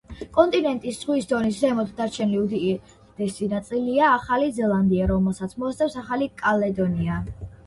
კონტინენტის ზღვის დონის ზემოთ დარჩენილი უდიდესი ნაწილია ახალი ზელანდია, რომელსაც მოსდევს ახალი კალედონია.